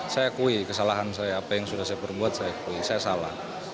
saya akui kesalahan saya apa yang sudah saya perbuat saya akui saya salah